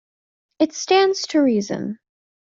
It stands to reason.